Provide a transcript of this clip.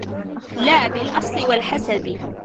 لَا بِالْأَصْلِ وَالْحَسَبِ